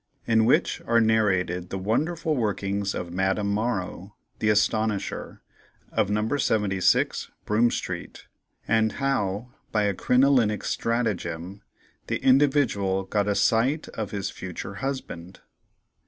In which are narrated the Wonderful Workings of Madame Morrow, the "Astonisher," of No. 76. Broome Street; and how, by a Crinolinic Stratagem, the "Individual" got a Sight of his "Future Husband."